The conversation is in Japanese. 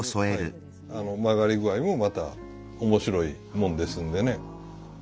曲がり具合もまた面白いもんですんでね。